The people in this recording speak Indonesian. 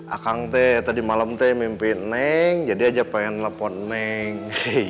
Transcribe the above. akang tadi malam mimpiin neng jadi aja pengen telepon neng